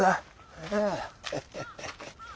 はあハハハ。